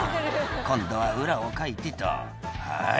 「今度は裏をかいてとはい」